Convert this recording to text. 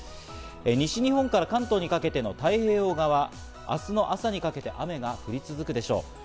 西日本から関東にかけての太平洋側、明日の朝にかけて雨が降り続くでしょう。